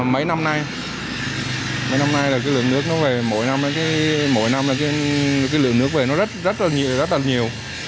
mấy năm nay mỗi năm là cái lượng nước về nó rất là nhiều